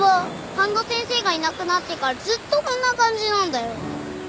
半田先生がいなくなってからずっとこんな感じなんだよ。